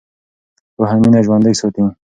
پوهه مینه ژوندۍ ساتي.